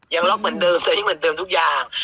ยังล็อกเหมือนเดิมยังเหมือนเดิมทุกอย่าง